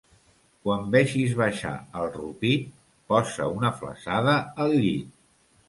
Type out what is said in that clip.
Quan vegis baixar el rupit, posa una flassada al llit.